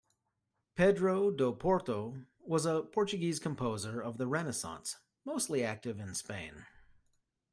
"Pedro do Porto", was a Portuguese composer of the Renaissance, mostly active in Spain.